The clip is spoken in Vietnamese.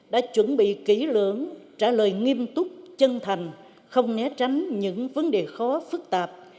đã chuẩn bị kỹ lưỡng trả lời nghiêm túc chân thành không né tránh những vấn đề khó phức tạp